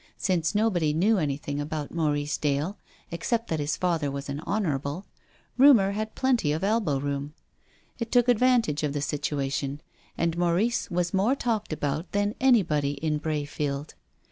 Since nobody knew anything about Maurice Dale except that his father was an Honourable, rumour had plenty of elbow room. It took advantage of the situation, and Maurice was more talked about than anybody in Brayfield.